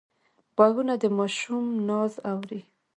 غوږونه د ماشوم ناز اوري